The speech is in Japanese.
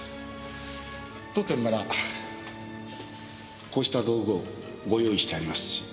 当店ならこうした道具をご用意してありますし。